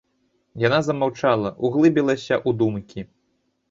Яна замаўчала, углыбілася ў думкі.